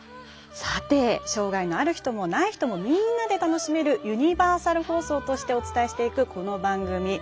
障がいのある人もない人もみんなで楽しめるユニバーサル放送としてお伝えしていく、この番組。